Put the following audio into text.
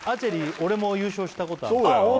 俺も優勝したことあるあっ